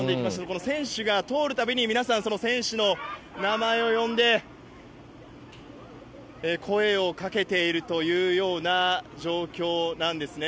この選手が通るたびに皆さん、選手の名前を呼んで、声をかけているというような状況なんですね。